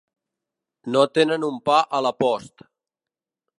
No tenen un pa a la post.